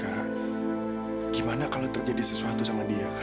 bagaimana kalau terjadi sesuatu sama dia kasian kak